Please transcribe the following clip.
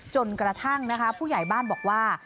จนกระทั่งนะคะผู้ใหญ่บ้านบอกว่า